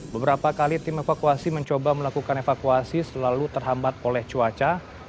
beberapa kali tim evakuasi mencoba melakukan evakuasi selalu terhambat oleh cuaca